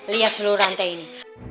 lihat seluruh rantai ini